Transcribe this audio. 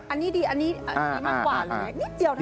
อันนี้ดีอันนี้มากกว่าหรือไง